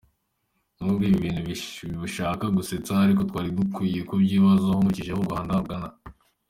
Nubwo ibi bintu bishaka gusetsa, ariko twari dukwiye kubyibazaho nkurikije aho Rwanda rugana